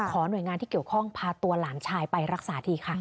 หน่วยงานที่เกี่ยวข้องพาตัวหลานชายไปรักษาทีค่ะ